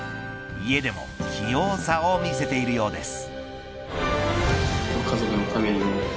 家でも器用さを見せているようです。